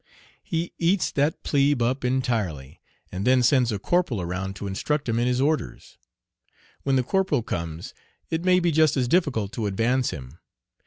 He "eats" that plebe up entirely, and then sends a corporal around to instruct him in his orders. When the corporal comes it may be just as difficult to advance him.